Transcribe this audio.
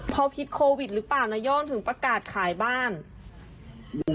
เพราะพิษโควิดหรือเปล่านาย่องถึงประกาศขายบ้าน